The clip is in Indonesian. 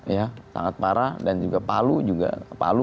ya sangat parah dan juga palu